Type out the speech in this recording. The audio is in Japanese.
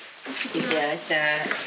いってらっしゃい。